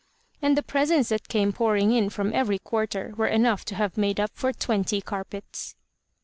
And the presents that came pouring in firom every quarter were enough to have made up for twenty carpets.